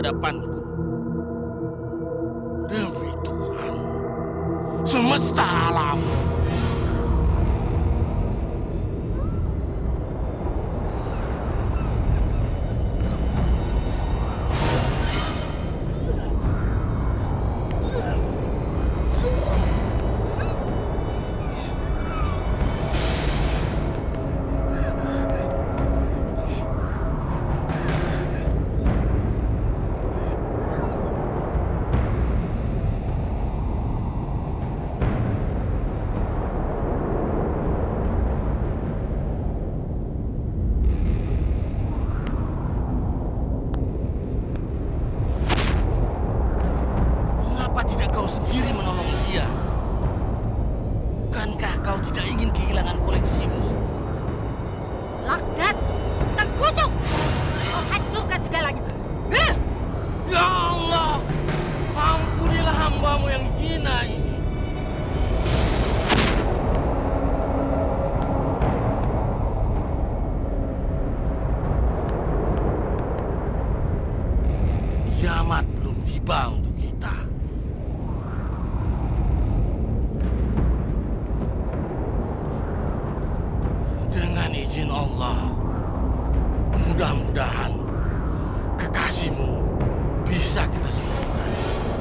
dengan izin allah mudah mudahan kekasihmu bisa kita sembunyikan